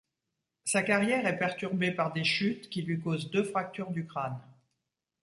Sa carrière est perturbée par des chutes, qui lui causent deux fractures au crâne.